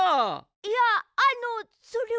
いやあのそれは。